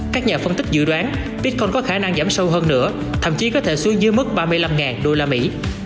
các nhà phân tích dự đoán bitcon có khả năng giảm sâu hơn nữa thậm chí có thể xuống dưới mức ba mươi năm đô la mỹ